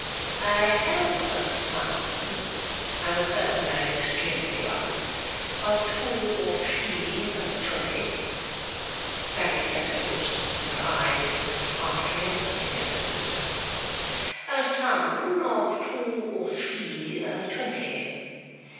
I have a son (I was first married extremely young) of two or three and twenty.' Fanny set her lips, and her eyes looked half triumphantly at her sister. 'A son of two or three and twenty.